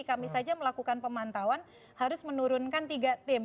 kami saja melakukan pemantauan harus menurunkan tiga tim